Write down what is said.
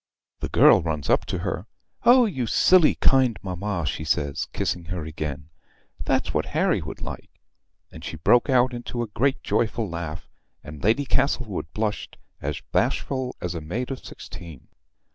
The girl runs up to her "Oh, you silly kind mamma," she says, kissing her again, "that's what Harry would like;" and she broke out into a great joyful laugh; and Lady Castlewood blushed as bashful as a maid of sixteen.